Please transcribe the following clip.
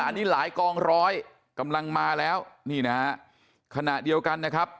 อันนี้หลายกองร้อยกำลังมาแล้วนี่นะฮะขณะเดียวกันนะครับ